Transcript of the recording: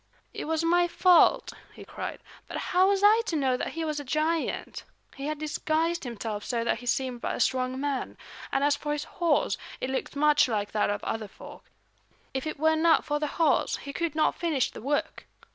"It was my fault," he cried, "but how was I to know that he was a giant? He had disguised himself so that he seemed but a strong man. And as for his horse, it looks much like that of other folk. If it were not for the horse, he could not finish the work.